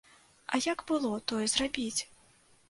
А як было тое зрабіць?